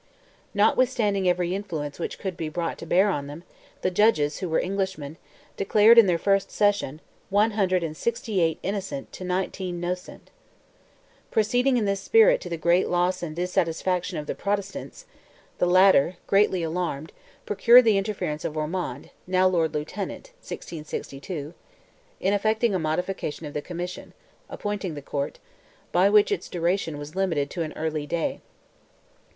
Notwithstanding every influence which could be brought to bear on them, the judges, who were Englishmen, declared in their first session, one hundred and sixty eight innocent to nineteen nocent. Proceeding in this spirit "to the great loss and dissatisfaction of the Protestants," the latter, greatly alarmed, procured the interference of Ormond, now Lord Lieutenant (1662), in effecting a modification of the commission, appointing the court, by which its duration was limited to an early day.